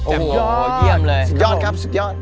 เยี่ยมเลยสุดยอดครับสุดยอด